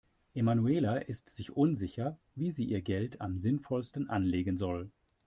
Emanuela ist sich unsicher, wie sie ihr Geld am sinnvollsten anlegen soll.